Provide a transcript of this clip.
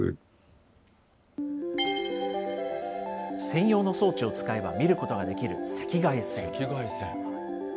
専用の装置を使えば見ることができる赤外線。